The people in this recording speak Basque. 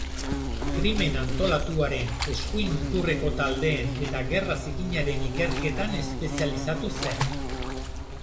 Krimen antolatuaren, eskuin muturreko taldeen eta gerra zikinaren ikerketan espezializatu zen.